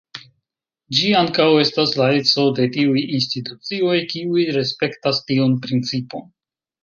Ĝi ankaŭ estas la eco de tiuj institucioj, kiuj respektas tiun principon.